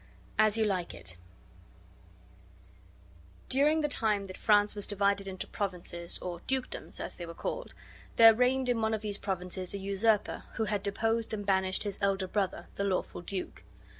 AS YOU LIKE IT During the time that France was divided into provinces (or dukedoms, as they were called) there reigned in one of these provinces a usurper who had deposed and banished his elder brother, the lawful duke.